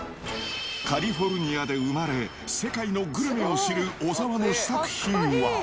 カリフォルニアで生まれ、世界のグルメを知る小澤の試作品は。